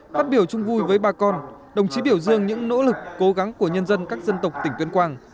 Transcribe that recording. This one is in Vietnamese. phát biểu chung vui với bà con đồng chí biểu dương những nỗ lực cố gắng của nhân dân các dân tộc tỉnh tuyên quang